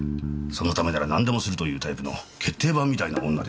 そのためならなんでもするというタイプの決定版みたいな女ですな。